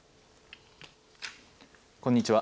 こんにちは。